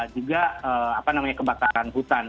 juga apa namanya kebakaran hutan